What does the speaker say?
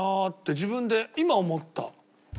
自分で今思った。